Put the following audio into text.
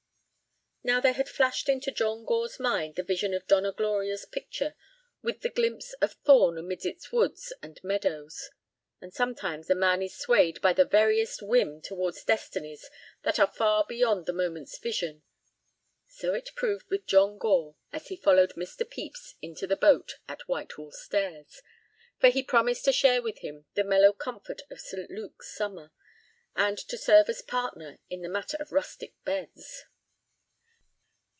Now there had flashed into John Gore's mind the vision of Donna Gloria's picture, with the glimpse of Thorn amid its woods and meadows. And sometimes a man is swayed by the veriest whim toward destinies that are far beyond the moment's vision. So it proved with John Gore as he followed Mr. Pepys into the boat at Whitehall Stairs, for he promised to share with him the mellow comfort of St. Luke's summer, and to serve as partner in the matter of rustic beds.